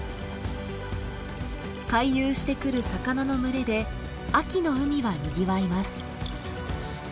回遊してくる魚の群れで秋の海はにぎわいます。